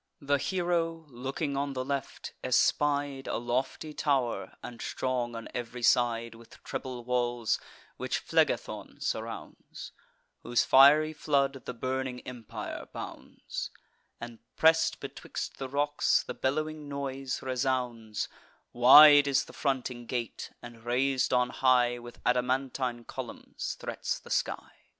The hero, looking on the left, espied A lofty tow'r, and strong on ev'ry side With treble walls, which Phlegethon surrounds, Whose fiery flood the burning empire bounds; And, press'd betwixt the rocks, the bellowing noise resounds Wide is the fronting gate, and, rais'd on high With adamantine columns, threats the sky.